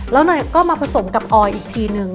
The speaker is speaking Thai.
แล้วนายก็มาผสมกับออยอีกทีนึง